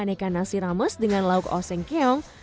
aneka nasi rames dengan lauk oseng keong